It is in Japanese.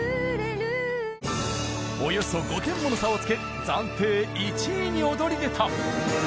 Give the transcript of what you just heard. およそ５点もの差をつけ暫定１位に躍り出た。